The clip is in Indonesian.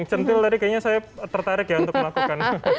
centil tadi kayaknya saya tertarik ya untuk melakukan